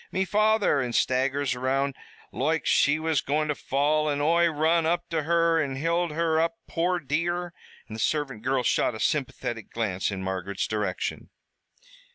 Me father!' an' staggers around loike she was goin' to fall, an' Oi run up to her an' hild her up, poor dear." And the servant girl shot a sympathetic glance in Margaret's direction.